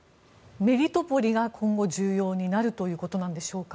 高橋さんは、メリトポリが今後重要になるということでしょうか？